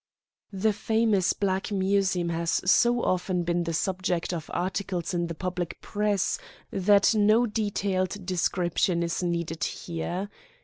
The famous Black Museum has so often been the subject of articles in the public press that no detailed description is needed here.